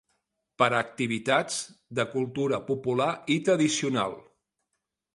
Per a activitats de cultura popular i tradicional.